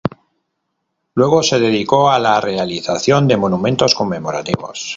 Luego se dedicó a la realización de monumentos conmemorativos.